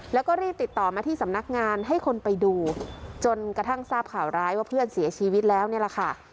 แล้วก็รีบติดต่อมาที่สำนักงานให้คนไปดูจนกระทั่งทราบข่าวร้ายว่าเพื่อนเสียชีวิตแล้วนี่แหละค่ะ